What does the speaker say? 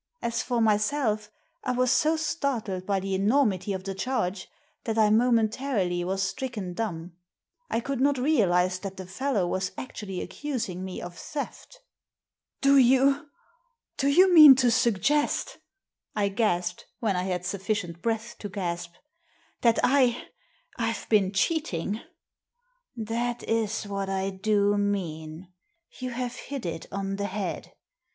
As for myself, I was so startled by the enormity of the charge that I momentarily was stricken dumb. I could not realise that the fellow was actually accusing me of theft. Digitized by VjOOQIC 70 THE SEEN AND THE UNSEEN "Do you— do you mean to suggest, I gasped, when I had sufficient breath to gasp, " that I — I've been cheating?" " That is what I do mean. You have hit it on the head.